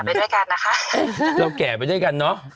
เรียกว่าเราก็แก่ไปด้วยกันนะคะ